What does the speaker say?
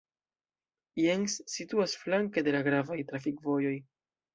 Jens situas flanke de la gravaj trafikvojoj.